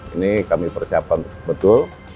ini kami persiapkan betul